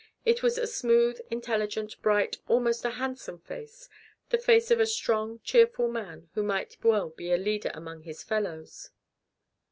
It was a smooth, intelligent, bright, almost a handsome face the face of a strong, cheerful man who might well be a leader among his fellows.